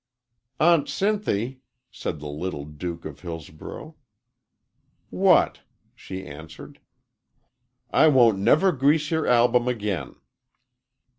"Aunt Sinthy," said the little Duke of Hillsborough. "What?" she answered. "I won't never grease your album again."